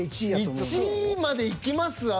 １位までいきます？